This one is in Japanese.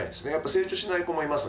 成長しない子もいます。